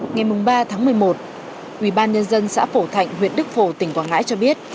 ngày ba tháng một mươi một ubnd xã phổ thạnh huyện đức phổ tỉnh quảng ngãi cho biết